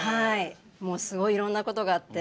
もうすごいいろんなことがあって。